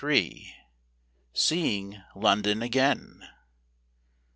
Seeing London again.